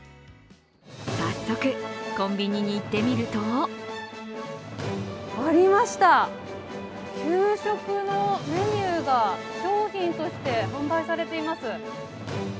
早速、コンビニに行ってみるとありました、給食のメニューが商品として販売されています。